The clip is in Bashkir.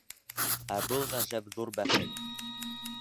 Ә был — ғәжәп ҙур бәхет.